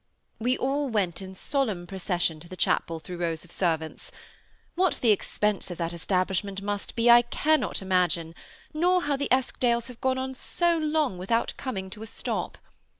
We all went' in solemn procession to the chapel, through rows of servants. YHiat the expense of that establishment must be I cannot imagine, nor how the Eskdales have gone on so long without coming to a stop.